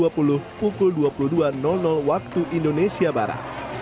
pembelajaran di jabara